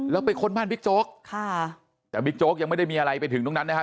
แล้วไปค้นบ้านบิ๊กโจ๊กค่ะแต่บิ๊กโจ๊กยังไม่ได้มีอะไรไปถึงตรงนั้นนะครับ